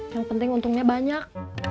yang penting untungnya banyak